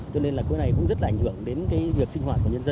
cho nên là cái này cũng rất là ảnh hưởng đến việc sinh hoạt của nhân dân